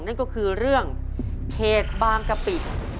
นั่นก็คือเรื่องเขตบางกะปิ